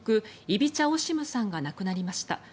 イビチャ・オシムさんが亡くなりました。